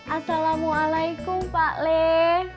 assalamualaikum pak leh